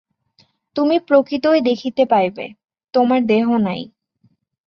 তুমি প্রকৃতই দেখিতে পাইবে, তোমার দেহ নাই।